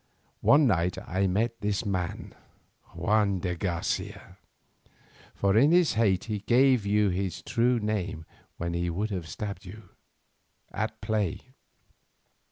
One night I met this man Juan de Garcia—for in his hate he gave you his true name when he would have stabbed you—at play.